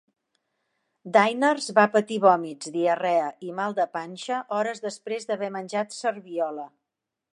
Diners va patir vòmits, diarrea i mal de panxa hores després d'haver menjat serviola.